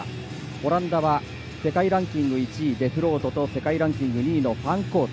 オランダは世界ランキング１位のデフロートと世界ランキング２位のファンコート。